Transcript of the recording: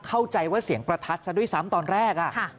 เข้าใจว่าเสียงประทัดซะด้วยซ้ำตอนแรก